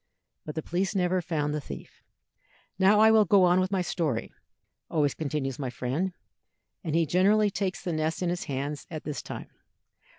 But the police never found the thief. "Now I will go on, with my story," always continues my friend, and he generally takes the nest in his hands at this time.